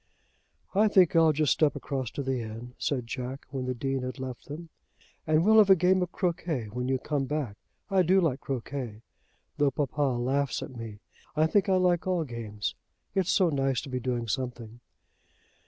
"I think I'll just step across to the inn," said Jack, when the Dean had left them. "And we'll have a game of croquet when you come back. I do like croquet, though papa laughs at me. I think I like all games. It is so nice to be doing something."